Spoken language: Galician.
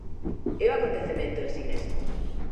É o acontecemento en si mesmo.